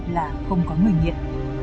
là không có người nghiện